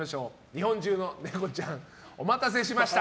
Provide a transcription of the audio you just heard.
日本中のネコちゃんお待たせしました。